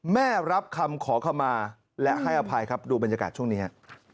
แม่รับคำขอขมาและให้อภัยครับดูบรรยากาศช่วงนี้ฮะ